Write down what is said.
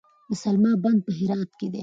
د سلما بند په هرات کې دی